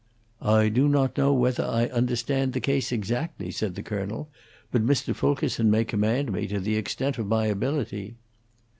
"I do not know whethah I understand the case exactly," said the colonel, "but Mr. Fulkerson may command me to the extent of my ability."